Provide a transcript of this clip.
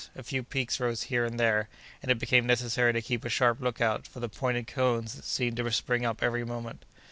A few peaks rose here and there, and it became necessary to keep a sharp lookout for the pointed cones that seemed to spring up every moment.